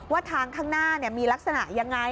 ทางข้างหน้ามีลักษณะยังไง